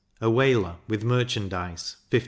a whaler, with merchandize, 15s.